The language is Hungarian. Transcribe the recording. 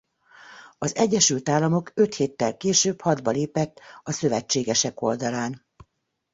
Az Egyesült Államok öt héttel később hadba lépett a szövetségesek oldalán.